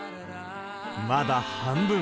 まだ半分。